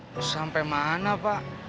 udah sampe mana pak